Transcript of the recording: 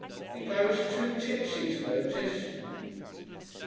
'Think I was too tipsy to notice.'